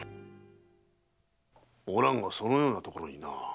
お蘭がそのようなところにな。